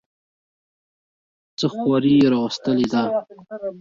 څه خواري یې راوستلې ده.